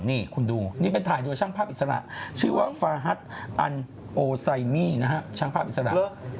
นี่คุณดูนี่ไปถ่ายโดยช่างภาพอิสระชื่อว่าฟาฮัทอันโอไซมี่นะฮะช่างภาพอิสระ